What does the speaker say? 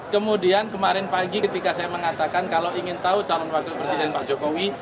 kemudian kemarin pagi ketika saya mengatakan kalau ingin tahu calon wakil presiden pak jokowi